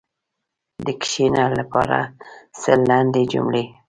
د “کښېنه” لپاره سل لنډې جملې: